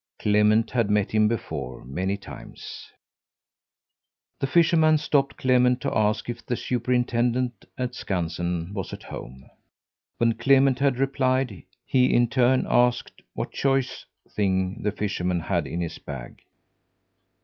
Clement had met him before, many times. The fisherman stopped Clement to ask if the superintendent at Skansen was at home. When Clement had replied, he, in turn, asked what choice thing the fisherman had in his bag.